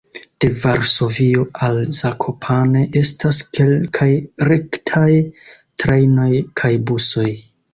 De Varsovio al Zakopane estas kelkaj rektaj trajnoj kaj busoj.